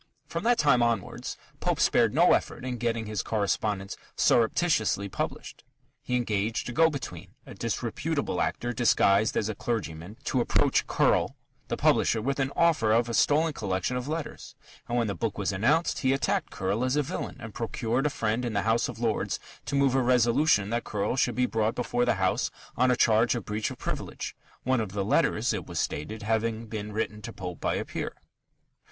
From that time onwards Pope spared no effort in getting his correspondence "surreptitiously" published. He engaged a go between, a disreputable actor disguised as a clergyman, to approach Curll, the publisher, with an offer of a stolen collection of letters, and, when the book was announced, he attacked Curll as a villain, and procured a friend in the House of Lords to move a resolution that Curll should be brought before the House on a charge of breach of privilege, one of the letters (it was stated) having been written to Pope by a peer.